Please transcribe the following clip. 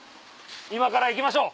今から行きましょう！